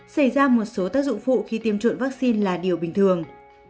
xảy ra một số tác dụng phụ khi tiêm chủng vaccine là điều bình thường